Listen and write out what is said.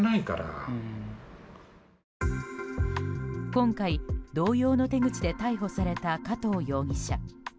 今回、同様の手口で逮捕された加藤容疑者。